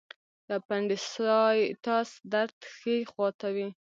د اپنډیسایټس درد ښي خوا ته وي.